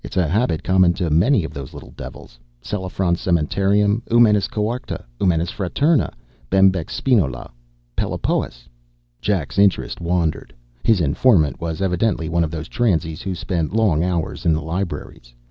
"It's a habit common to many of those little devils: Sceliphron cementarium, Eumenes coarcta, Eumenes fraterna, Bembix spinolae, Pelopoeus ..." Jack's interest wandered. His informant was evidently one of those transies who spent long hours in the libraries.